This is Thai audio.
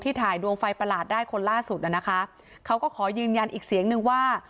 ถ่ายดวงไฟประหลาดได้คนล่าสุดน่ะนะคะเขาก็ขอยืนยันอีกเสียงนึงว่า